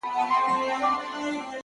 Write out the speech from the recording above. څوک ده چي راګوري دا و چاته مخامخ يمه ـ